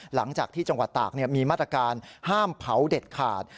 หลังจากที่จังหวัดตากมีมาตรการห้ามเผาเด็ดขาด